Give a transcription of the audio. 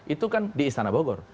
itu kan di istana bogor